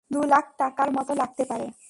দু লাখ টাকার মতো লাগতে পারে।